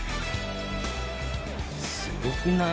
すごくない？